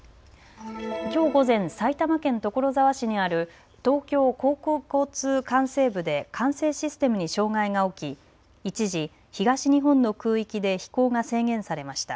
きょう午前、埼玉県所沢市にある東京航空交通管制部で管制システムに障害が起き一時、東日本の空域で飛行が制限されました。